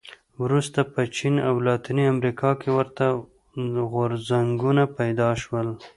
وروسته په چین او لاتینې امریکا کې ورته غورځنګونه پیدا شول.